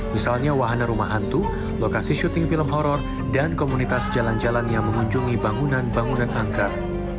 misalnya wahana rumah hantu lokasi syuting film horror dan komunitas jalan jalan yang mengunjungi bangunan bangunan angkat